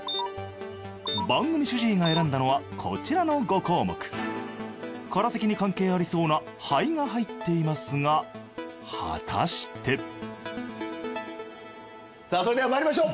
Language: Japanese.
番組主治医が選んだのはこちらの５項目。からせきに関係ありそうな肺が入っていますが果たしてさあそれではまいりましょう。